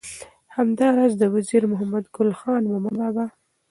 همدا راز د وزیر محمد ګل خان مومند بابا